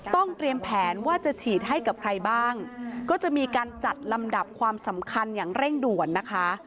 เตรียมแผนว่าจะฉีดให้กับใครบ้างก็จะมีการจัดลำดับความสำคัญอย่างเร่งด่วนนะคะ